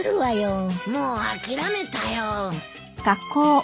もう諦めたよ。